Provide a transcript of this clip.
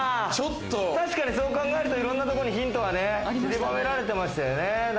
確かにそう考えるといろんなところにヒントはね、閉じ込められてましたよね。